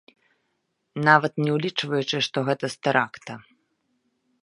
Нават не ўлічваючы, што гэта з тэракта.